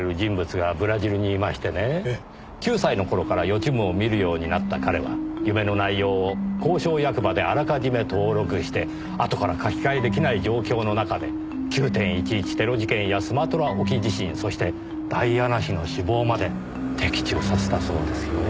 ９歳の頃から予知夢を見るようになった彼は夢の内容を公証役場であらかじめ登録してあとから書き換え出来ない状況の中で９・１１テロ事件やスマトラ沖地震そしてダイアナ妃の死亡まで的中させたそうですよ。